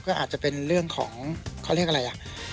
ก็อาจจะเป็นเรื่องของเขาเรียกอะไรอ่ะ